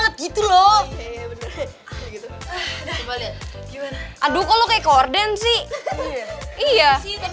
aduk lu kek korden sih iya